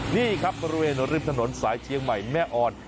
นี่ครับบริเวณหรือธนสาหรัฐสายเชียงใหม่แม่อ่อน